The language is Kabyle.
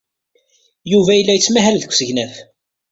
Yuba yella yettmahal deg usegnaf.